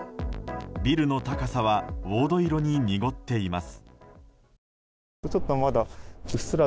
ビルの高さは黄土色に濁っています。